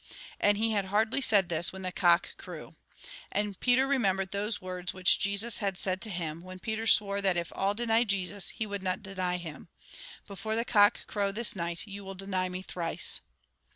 And he had hardly said this, when the cock crew. And Peter remembered those words which Jesus had said to him, when Peter swore that if all denied Jesus, he would not deny him :" Before the cock crow this night, you will deny me thrice."